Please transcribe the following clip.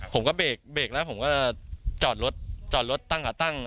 ผมก็เบรกเบรกแล้วผมก็จอดรถจอดรถตั้งกับตั้ง